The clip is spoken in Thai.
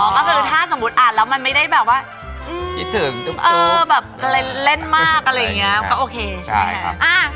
ก็คือถ้าสมมุติอ่านแล้วมันไม่ได้แบบว่าคิดถึงแบบเล่นมากอะไรอย่างนี้ก็โอเคใช่ไหมคะ